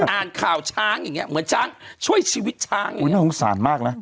อ่านข่าวช้างอย่างงี้งั้นผสานมากนะ